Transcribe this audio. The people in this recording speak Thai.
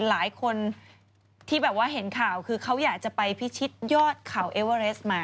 หลายคนที่แบบว่าเห็นข่าวคือเขาอยากจะไปพิชิตยอดเขาเอเวอเรสมา